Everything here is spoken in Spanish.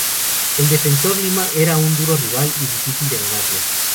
El Defensor Lima era un duro rival y difícil de ganarle.